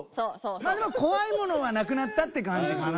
まあでも怖いものはなくなったって感じかな。